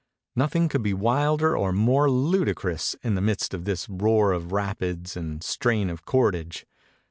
Nothing could be wilder or more ludicrous, in the midst of this roar of rapids and strain of cordage.